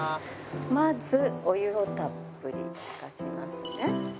まずお湯をたっぷり沸かしますね。